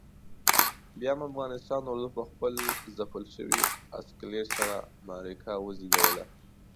بیا هم افغانستان اردو پخپل ځپل شوي اسکلیت سره معرکه وزېږوله.